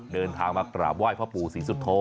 เดินทางมากราบไหว้พ่อปู่ศรีสุโธ